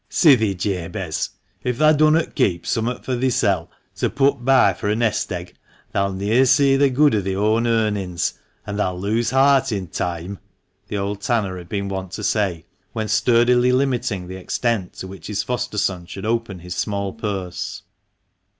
" Si thi, Jabez, if thah dunnot keep summat fur thisel' to put by fur a nest egg, thah'll ne'er see the good o' thi own earmn's, an' thah'll lose heart in toime," the old tanner had been wont to say, when sturdily limiting the extent to which his foster son should open his small purse.